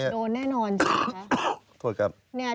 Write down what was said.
โดนแน่นอน